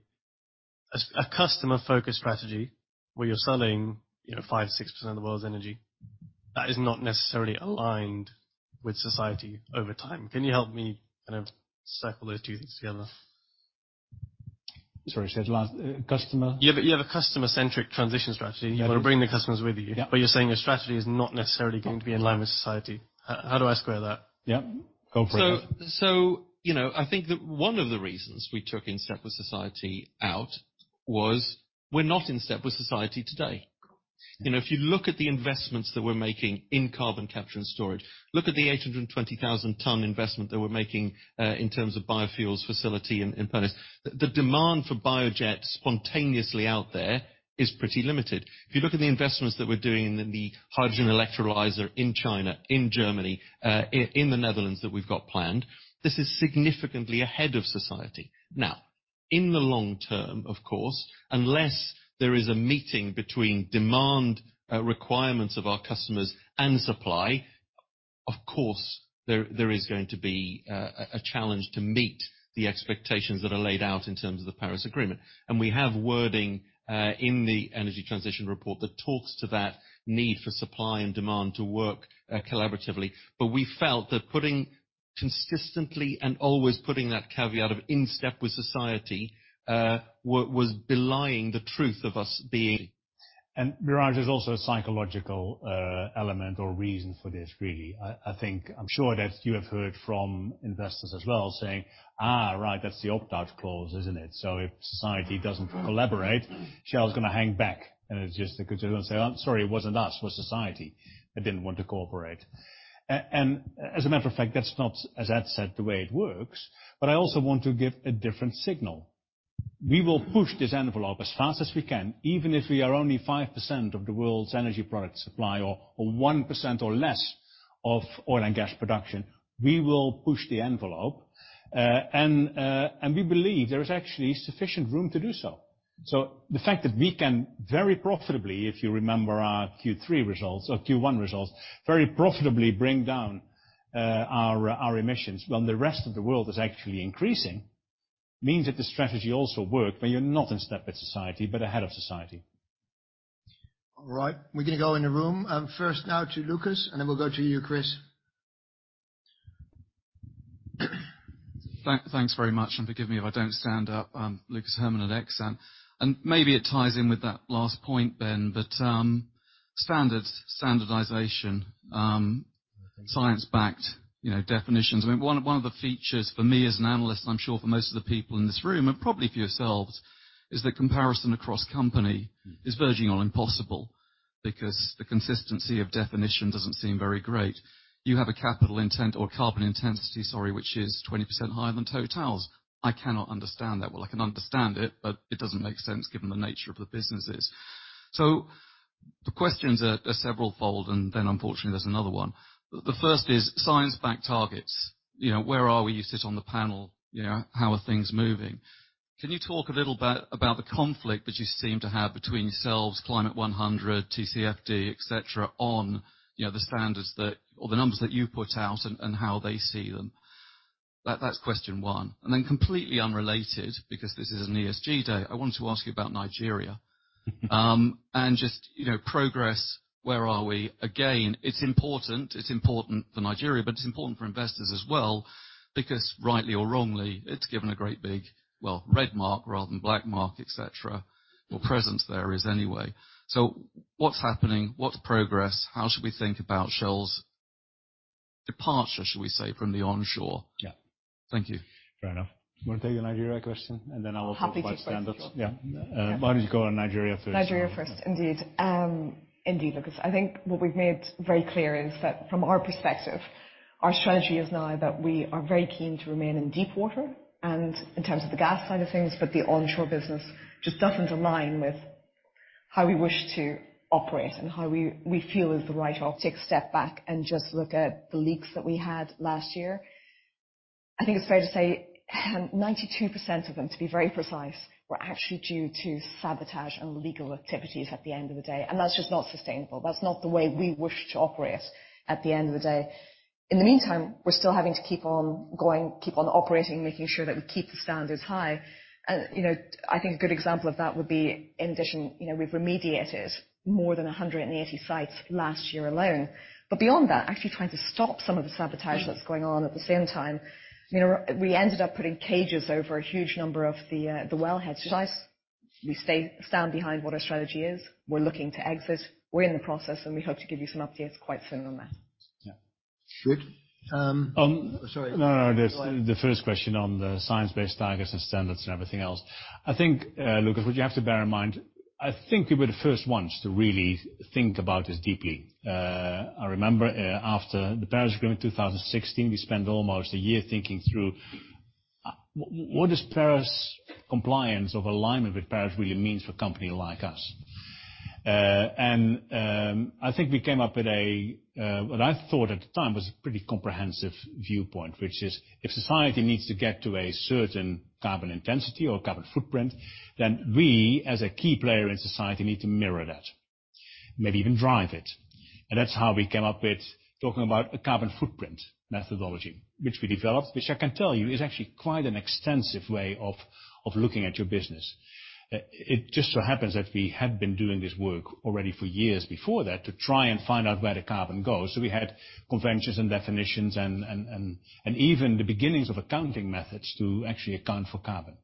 customer-focused strategy where you're selling, you know, 5-6% of the world's energy that is not necessarily aligned with society over time. Can you help me kind of circle those two things together? Sorry, say it last. Customer? Yeah, you have a customer-centric transition strategy. Yep. You wanna bring the customers with you. Yep. You're saying your strategy is not necessarily going to be in line with society. How do I square that? Yep. Go for it, Ben. You know, I think that one of the reasons we're out of step with society is that we're not in step with society today. You know, if you look at the investments that we're making in carbon capture and storage, look at the 820,000 tons investment that we're making in the biofuels facility in Pernis. The demand for biojet fuel out there is pretty limited. If you look at the investments that we're doing in the hydrogen electrolyzer in China, in Germany, in the Netherlands that we've got planned, this is significantly ahead of society. Now, in the long term, of course, unless there is a meeting between demand requirements of our customers and supply, of course, there is going to be a challenge to meet the expectations that are laid out in terms of the Paris Agreement. We have wording in the energy transition report that talks to that need for supply and demand to work collaboratively. We felt that putting consistently and always putting that caveat of in step with society was belying the truth of us being. Biraj, there's also a psychological element or reason for this, really. I think I'm sure that you have heard from investors as well, saying, "right. That's the opt-out clause, isn't it? So if society doesn't collaborate, Shell is gonna hang back." It's just going to say, "Oh, sorry, it wasn't us. It was society that didn't want to cooperate." As a matter of fact, that's not, as Ed said, the way it works, but I also want to give a different signal. We will push this envelope as fast as we can, even if we are only 5% of the world's energy product supply or 1% or less of oil and gas production. We will push the envelope. And we believe there is actually sufficient room to do so. The fact that we can very profitably, if you remember our Q3 results or Q1 results, very profitably bring down our emissions when the rest of the world is actually increasing, means that the strategy also work when you're not in step with society, but ahead of society. All right, we're gonna go in the room. First now to Lucas, and then we'll go to you, Chris. Thanks very much, and forgive me if I don't stand up. I'm Lucas Herrmann at Exane BNP Paribas. Maybe it ties in with that last point, Ben, but standards, standardization, science-backed, you know, definitions. I mean, one of the features for me as an analyst, I'm sure for most of the people in this room and probably for yourselves, is that comparison across company is verging on impossible because the consistency of definition doesn't seem very great. You have a net carbon intensity, sorry, which is 20% higher than TotalEnergies'. I cannot understand that. Well, I can understand it, but it doesn't make sense given the nature of the businesses. The questions are several-fold, and then unfortunately, there's another one. The first is science-backed targets. You know, where are we? You sit on the panel. You know, how are things moving? Can you talk a little bit about the conflict that you seem to have between yourselves, Climate Action 100+, TCFD, et cetera, on, you know, the standards that or the numbers that you put out and how they see them? That's question one. Completely unrelated, because this is an ESG day, I want to ask you about Nigeria. And just, you know, progress, where are we? Again, it's important, it's important for Nigeria, but it's important for investors as well, because rightly or wrongly, it's given a great big, well, red mark rather than black mark, et cetera. Our presence there is anyway. What's happening? What's progress? How should we think about Shell's departure, should we say, from the onshore? Yeah. Thank you. Fair enough. You wanna take the Nigeria question, and then I will talk about standards. Happy to take both, sure. Yeah. Why don't you go on Nigeria first? Nigeria first. Indeed, Lucas. I think what we've made very clear is that from our perspective, our strategy is now that we are very keen to remain in deep water and in terms of the gas side of things, but the onshore business just doesn't align with how we wish to operate and how we feel is the right. Take a step back and just look at the leaks that we had last year. I think it's fair to say, 92% of them, to be very precise, were actually due to sabotage and illegal activities at the end of the day, and that's just not sustainable. That's not the way we wish to operate at the end of the day. In the meantime, we're still having to keep on going, keep on operating, making sure that we keep the standards high. I think a good example of that would be in addition, you know, we've remediated more than 180 sites last year alone. Beyond that, actually trying to stop some of the sabotage that's going on at the same time. You know, we ended up putting cages over a huge number of the wellheads. We stand behind what our strategy is. We're looking to exit, we're in the process, and we hope to give you some updates quite soon on that. The first question on the science-based targets and standards and everything else. I think, Lucas, what you have to bear in mind, I think we were the first ones to really think about this deeply. I remember, after the Paris Agreement in 2016, we spent almost a year thinking through, what does Paris compliance or alignment with Paris really means for a company like us? I think we came up with what I thought at the time was a pretty comprehensive viewpoint, which is if society needs to get to a certain carbon intensity or carbon footprint, then we, as a key player in society, need to mirror that, maybe even drive it. That's how we came up with talking about a carbon footprint methodology, which we developed, which I can tell you is actually quite an extensive way of looking at your business. It just so happens that we had been doing this work already for years before that to try and find out where the carbon goes. We had conventions and definitions and even the beginnings of accounting methods to actually account for carbon.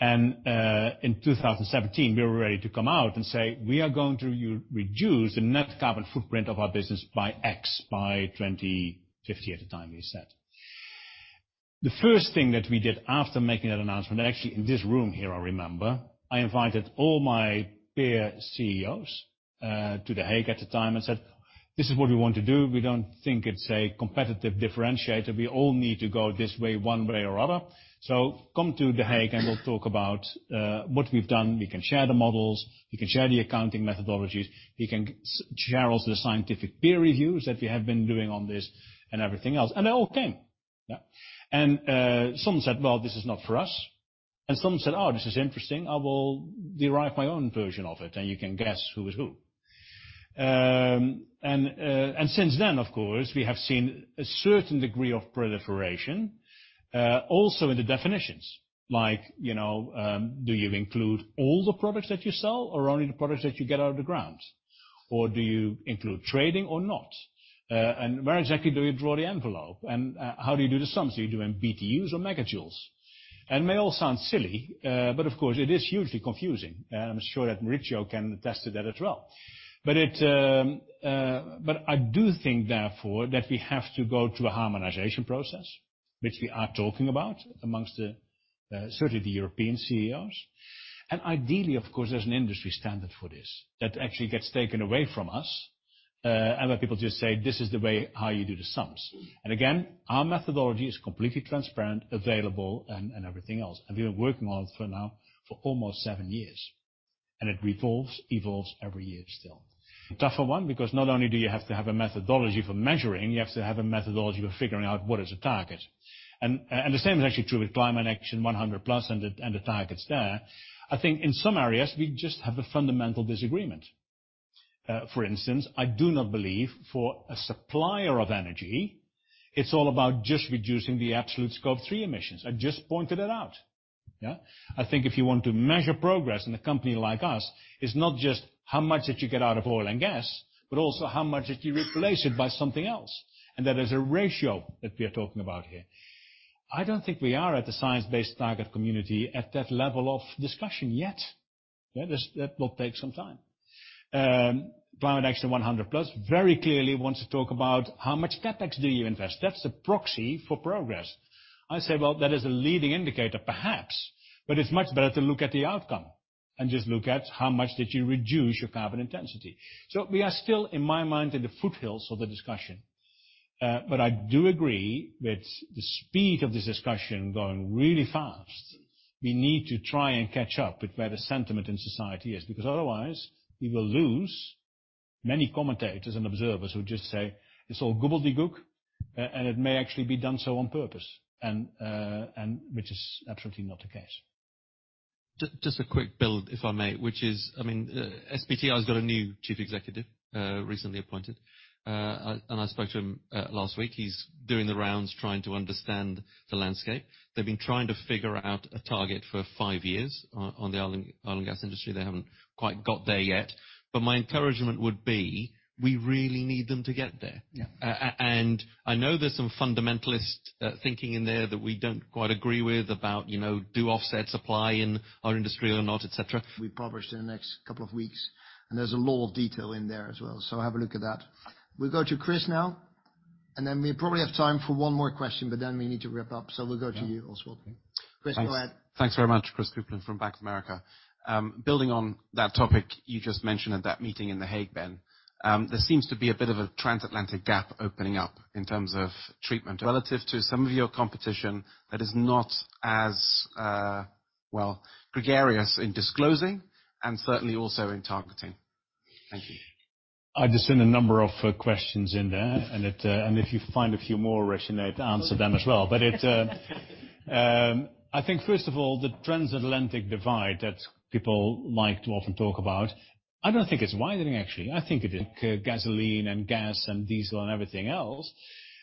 In 2017, we were ready to come out and say, "We are going to reduce the net carbon footprint of our business by X by 2050," at the time we said. The first thing that we did after making that announcement, and actually in this room here, I remember, I invited all my peer CEOs to The Hague at the time and said, "This is what we want to do. We don't think it's a competitive differentiator. We all need to go this way one way or other. So come to The Hague, and we'll talk about what we've done. We can share the models, we can share the accounting methodologies, we can share all the scientific peer reviews that we have been doing on this and everything else." They all came. Yeah. Some said, "Well, this is not for us." And some said, "Oh, this is interesting. I will derive my own version of it," and you can guess who is who. Since then, of course, we have seen a certain degree of proliferation also in the definitions. Like, you know, do you include all the products that you sell or only the products that you get out of the ground? Do you include trading or not? Where exactly do you draw the envelope? How do you do the sums? Do you do them in BTUs or megajoules? It may all sound silly, but of course, it is hugely confusing. I'm sure that Maurizio can attest to that as well. I do think therefore, that we have to go through a harmonization process, which we are talking about amongst the certainly the European CEOs. Ideally, of course, there's an industry standard for this that actually gets taken away from us, and where people just say, "This is the way how you do the sums." Again, our methodology is completely transparent, available, and everything else. We are working on for now for almost seven years. It revolves, evolves every year still. Tougher one, because not only do you have to have a methodology for measuring, you have to have a methodology for figuring out what is a target. The same is actually true with Climate Action 100+ and the targets there. I think in some areas, we just have a fundamental disagreement. For instance, I do not believe for a supplier of energy, it's all about just reducing the absolute Scope three emissions. I just pointed it out. Yeah. I think if you want to measure progress in a company like us, it's not just how much that you get out of oil and gas, but also how much that you replace it by something else. That is a ratio that we are talking about here. I don't think we are at the Science Based Targets community at that level of discussion yet. That will take some time. Climate Action 100+ very clearly wants to talk about how much CapEx do you invest. That's the proxy for progress. I say, well, that is a leading indicator perhaps, but it's much better to look at the outcome and just look at how much did you reduce your carbon intensity. We are still, in my mind, in the foothills of the discussion. I do agree with the speed of this discussion going really fast. We need to try and catch up with where the sentiment in society is, because otherwise we will lose many commentators and observers who just say, "It's all gobbledygook," and it may actually be done so on purpose and which is absolutely not the case. Just a quick bit, if I may, which is, I mean, SBTi has got a new chief executive recently appointed. I spoke to him last week. He's doing the rounds, trying to understand the landscape. They've been trying to figure out a target for five years on the oil and gas industry. They haven't quite got there yet. My encouragement would be, we really need them to get there. Yeah. I know there's some fundamentalist thinking in there that we don't quite agree with about, you know, to offset supply in our industry or not, et cetera. We published in the next couple of weeks, and there's a lot of detail in there as well. Have a look at that. We'll go to Chris now, and then we probably have time for one more question, but then we need to wrap up. We'll go to you, Oswald. Chris, go ahead. Thanks. Thanks very much. Christopher Kuplent from Bank of America. Building on that topic you just mentioned at that meeting in The Hague, Ben, there seems to be a bit of a transatlantic gap opening up in terms of treatment relative to some of your competition that is not as, well, gregarious in disclosing and certainly also in targeting. Thank you. I just hear a number of questions in there. If you find a few more, Sinead, answer them as well. I think, first of all, the transatlantic divide that people like to often talk about, I don't think it's widening actually. I think it's gasoline and gas and diesel and everything else.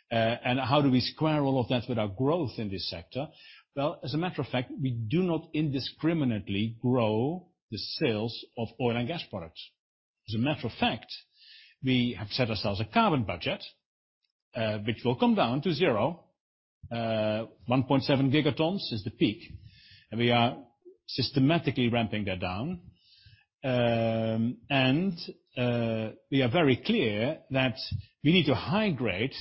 How do we square all of that with our growth in this sector? Well, as a matter of fact, we do not indiscriminately grow the sales of oil and gas products. As a matter of fact, we have set ourselves a carbon budget, which will come down to zero. 1.7 gigatons is the peak. We are systematically ramping that down. We are very clear that we need to high grade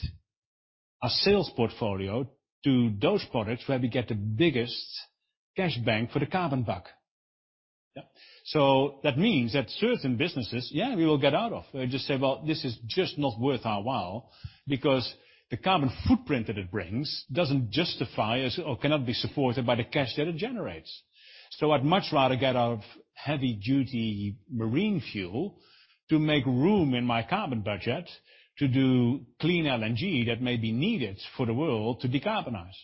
our sales portfolio to those products where we get the biggest cash bang for the carbon buck. Yeah. That means that certain businesses, yeah, we will get out of. We just say, "Well, this is just not worth our while", because the carbon footprint that it brings doesn't justify us or cannot be supported by the cash that it generates. I'd much rather get out of heavy duty marine fuel to make room in my carbon budget to do clean LNG that may be needed for the world to decarbonize.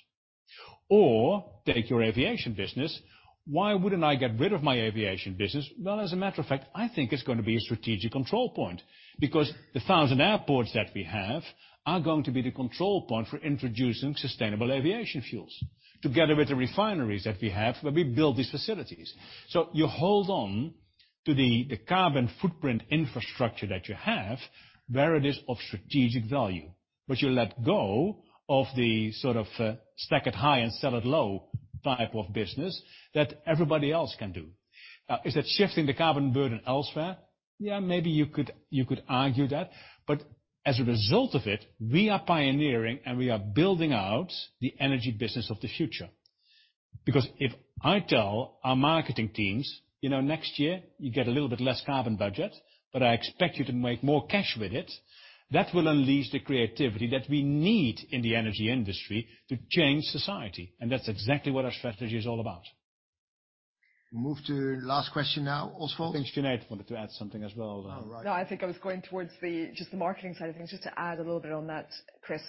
Take your aviation business. Why wouldn't I get rid of my aviation business? Well, as a matter of fact, I think it's gonna be a strategic control point, because the 1,000 airports that we have are going to be the control point for introducing sustainable aviation fuels, together with the refineries that we have, where we build these facilities. You hold on to the carbon footprint infrastructure that you have where it is of strategic value, but you let go of the sort of stack it high and sell it low type of business that everybody else can do. Now, is it shifting the carbon burden elsewhere? Yeah, maybe you could argue that. As a result of it, we are pioneering and we are building out the energy business of the future. Because if I tell our marketing teams, "You know, next year you get a little bit less carbon budget, but I expect you to make more cash with it", that will unleash the creativity that we need in the energy industry to change society. That's exactly what our strategy is all about. Move to last question now, Oswald. I think Sinead wanted to add something as well. Oh, right. No, I think I was going towards the, just the marketing side of things. Just to add a little bit on that, Chris.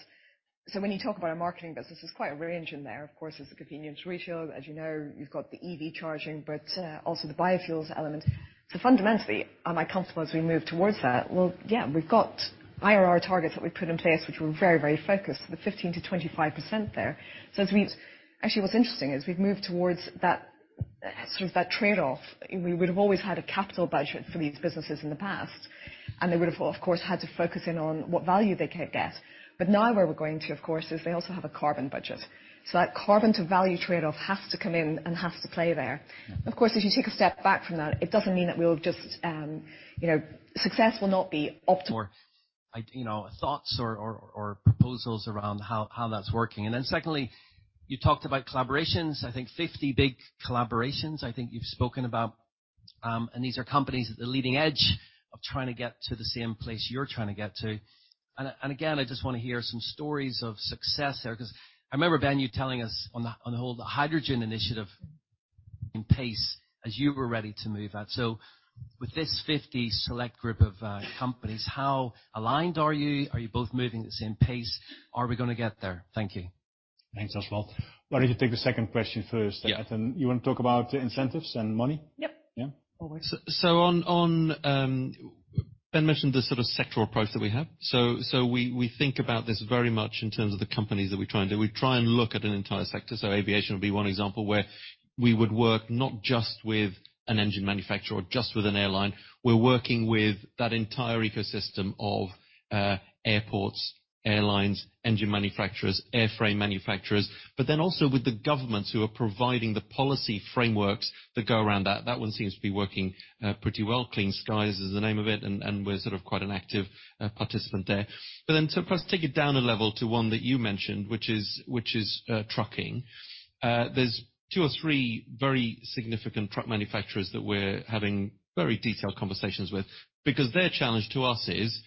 When you talk about our marketing business, there's quite a range in there. Of course, there's the convenience retail, as you know. You've got the EV charging, but also the biofuels element. Fundamentally, am I comfortable as we move towards that? Well, yeah. We've got IRR targets that we've put in place which were very, very focused with 15%-25% there. Actually, what's interesting is we've moved towards that, sort of that trade-off. We would have always had a capital budget for these businesses in the past, and they would have, of course, had to focus in on what value they could get. Now where we're going to, of course, is they also have a carbon budget. That carbon to value trade-off has to come in and has to play there. Of course, if you take a step back from that, it doesn't mean that we'll just, you know, success will not be optimal. You know, thoughts or proposals around how that's working. Secondly, you talked about collaborations. I think 50 big collaborations, I think you've spoken about. These are companies at the leading edge of trying to get to the same place you're trying to get to. And again, I just wanna hear some stories of success there, 'cause I remember, Ben, you telling us on the whole hydrogen initiative pace as you were ready to move out. With this 50 select group of companies, how aligned are you? Are you both moving at the same pace? Are we gonna get there? Thank you. Thanks, Oswald. Why don't you take the second question first, Ed Daniels. Yeah. You wanna talk about incentives and money? Yep. Yeah. Always. Ben mentioned the sort of sectoral approach that we have. We think about this very much in terms of the companies that we try and do. We try and look at an entire sector. Aviation would be one example where we would work not just with an engine manufacturer or just with an airline. We're working with that entire ecosystem of airports, airlines, engine manufacturers, airframe manufacturers, but then also with the governments who are providing the policy frameworks that go around that. That one seems to be working pretty well. Clean Skies is the name of it, and we're sort of quite an active participant there. To perhaps take it down a level to one that you mentioned, which is trucking. There's two or three very significant truck manufacturers that we're having very detailed conversations with because their challenge to us is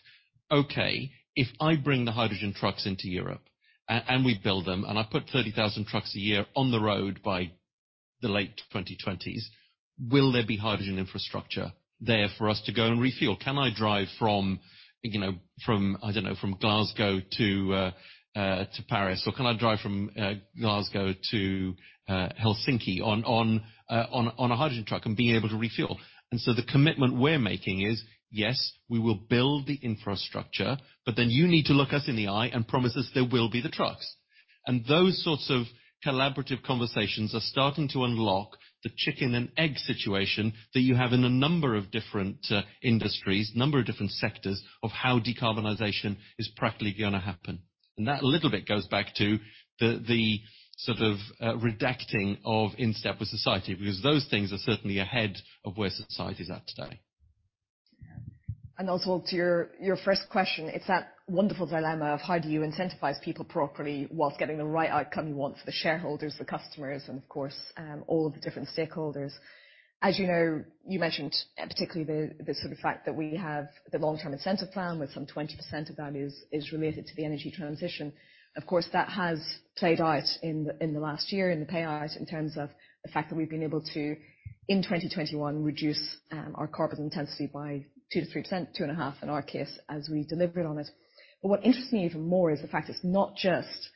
okay, if I bring the hydrogen trucks into Europe, and we build them, and I put 30,000 trucks a year on the road by the late 2020s, will there be hydrogen infrastructure there for us to go and refuel? Can I drive from, you know, from, I don't know, from Glasgow to Paris, or can I drive from Glasgow to Helsinki on a hydrogen truck and being able to refuel? The commitment we're making is, yes, we will build the infrastructure, but then you need to look us in the eye and promise us there will be the trucks. Those sorts of collaborative conversations are starting to unlock the chicken and egg situation that you have in a number of different industries, number of different sectors of how decarbonization is practically gonna happen. That little bit goes back to the sort of redirecting of in step with society, because those things are certainly ahead of where society's at today. Also to your first question, it's that wonderful dilemma of how do you incentivize people properly while getting the right outcome you want for the shareholders, the customers, and of course, all of the different stakeholders. As you know, you mentioned particularly the sort of fact that we have the Long-term Incentive Plan, with some 20% of that is related to the energy transition. Of course, that has played out in the last year in the payout in terms of the fact that we've been able to, in 2021, reduce our carbon intensity by 2%-3%, 2.5% in our case, as we deliver on it. What interests me even more is the fact it's not just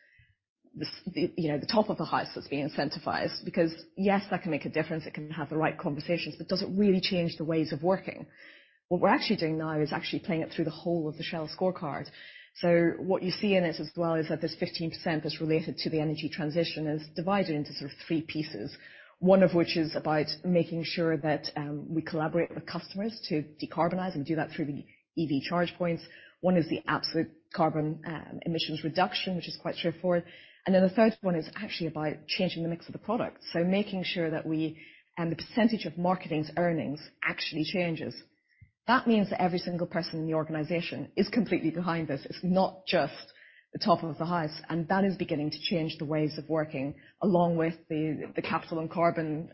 you know, the top of the house that's being incentivized. Because, yes, that can make a difference, it can have the right conversations, but does it really change the ways of working? What we're actually doing now is actually playing it through the whole of the Shell scorecard. What you see in it as well is that this 15% that's related to the energy transition is divided into sort of three pieces. One of which is about making sure that we collaborate with customers to decarbonize and do that through the EV charge points. One is the absolute carbon emissions reduction, which is quite straightforward. And then the third one is actually about changing the mix of the product. Making sure that we, and the percentage of marketing's earnings actually changes. That means that every single person in the organization is completely behind this. It's not just the top of the house. That is beginning to change the ways of working along with the capital and carbon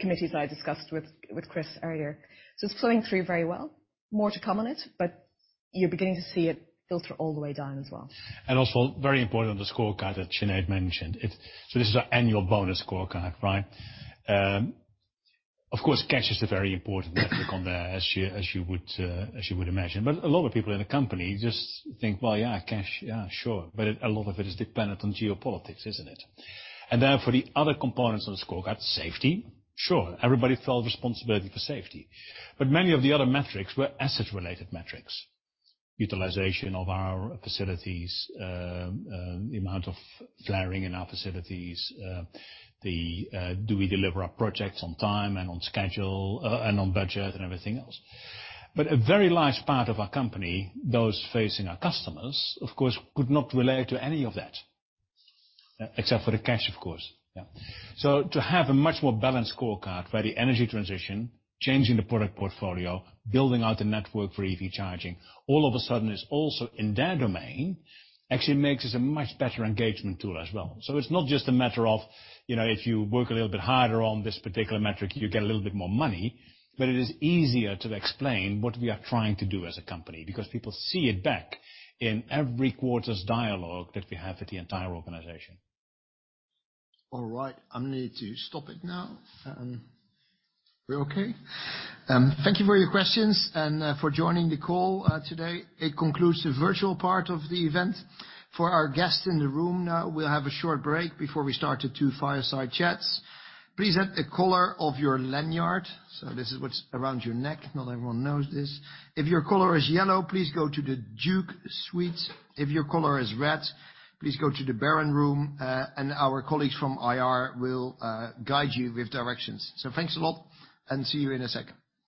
committees I discussed with Chris earlier. It's flowing through very well. More to come on it, but you're beginning to see it filter all the way down as well. Also very important on the scorecard that Sinead mentioned. This is an annual bonus scorecard, right? Of course, cash is the very important metric on there, as you would imagine. A lot of people in the company just think, "Well, yeah, cash, yeah, sure," but a lot of it is dependent on geopolitics, isn't it? Therefore, the other components of the scorecard, safety, sure, everybody felt responsibility for safety. Many of the other metrics were asset-related metrics, utilization of our facilities, the amount of flaring in our facilities, do we deliver our projects on time and on schedule, and on budget and everything else. A very large part of our company, those facing our customers, of course, could not relate to any of that. Except for the cash, of course. Yeah. To have a much more balanced scorecard where the energy transition, changing the product portfolio, building out the network for EV charging, all of a sudden is also in their domain, actually makes this a much better engagement tool as well. It's not just a matter of, you know, if you work a little bit harder on this particular metric, you get a little bit more money. It is easier to explain what we are trying to do as a company because people see it back in every quarter's dialogue that we have with the entire organization. All right. I'm going to stop it now. We're okay? Thank you for your questions and for joining the call today. It concludes the virtual part of the event. For our guests in the room now, we'll have a short break before we start the two fireside chats. Please note the color of your lanyard. This is what's around your neck. Not everyone knows this. If your color is yellow, please go to the Duke Suite. If your color is red, please go to the Baron Room, and our colleagues from IR will guide you with directions. Thanks a lot, and see you in a second.